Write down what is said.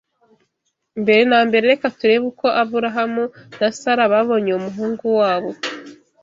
Mbere na mbere reka turebe uko Aburahamu na Sara babonye uwo muhungu wabo